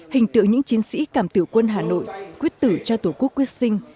hình tượng những chiến sĩ cảm tiểu quân hà nội quyết tử cho tổ quốc quyết sinh